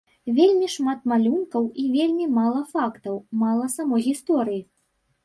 Вельмі шмат малюнкаў і вельмі мала фактаў, мала самой гісторыі.